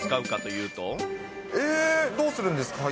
えー、どうするんですか？